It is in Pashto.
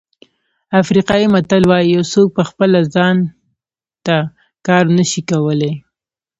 افریقایي متل وایي یو څوک په خپله ځان ته کار نه شي کولای.